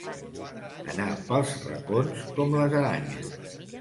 Anar pels racons com les aranyes.